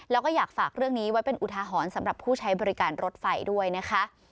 แล้วก็อยากฝากเรื่องนี้ไว้เป็นอุทาหรณ์สำหรับผู้ใช้บริการรถไฟด้วยนะคะ